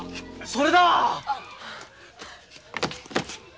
それだ！